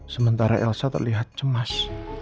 sementara elsa terlihat cemas